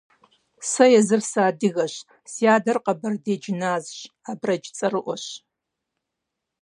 Сэ езыр сыадыгэщ, си адэр къэбэрдей джыназщ, абрэдж цӀэрыӀуэщ.